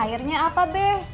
airnya apa beh